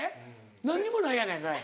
何にもないやないかい。